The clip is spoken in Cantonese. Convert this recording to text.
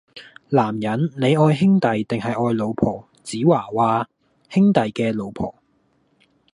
男人，你愛兄弟定系愛老婆?子華話：兄弟嘅老婆!